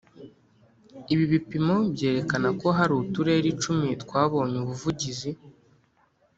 Ibi bipimo byerekana ko hari uturere icumi twabonye ubuvugizi